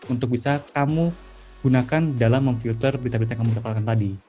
untuk bisa kamu gunakan dalam memfilter berita berita yang kamu dapatkan tadi